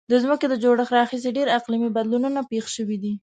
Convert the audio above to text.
د ځمکې له جوړښت راهیسې ډیر اقلیمي بدلونونه پیښ شوي دي.